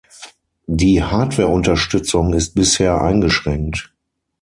Die Hardwareunterstützung ist bisher eingeschränkt.